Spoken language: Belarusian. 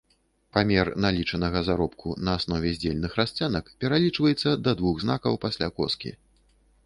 Памер налічанага заробку на аснове здзельных расцэнак пералічваецца да двух знакаў пасля коскі.